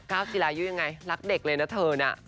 ก้าวจิลายุยังไงรักเด็กเลยนะเถิวเนี่ย